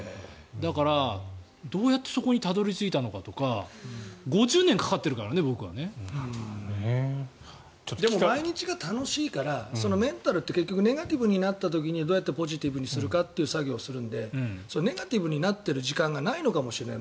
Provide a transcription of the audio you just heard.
だからどうやってそこにたどり着いたのかとか毎日が楽しいからメンタルって結局、ネガティブになった時にどうやってポジティブにするかなのでネガティブになっている時間がないのかもしれない。